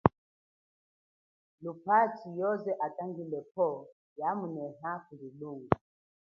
Nyi mwe lupachi yoze yatanga pwo, mba yamuneha kuli lunga.